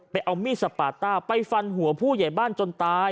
เอามีดสปาต้าไปฟันหัวผู้ใหญ่บ้านจนตาย